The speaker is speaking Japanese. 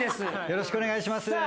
よろしくお願いします。